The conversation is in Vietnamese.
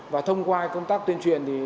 và thông qua công tác tuyên truyền